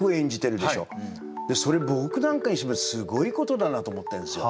それ僕なんかにしてみればすごいことだなと思ってるんですよ。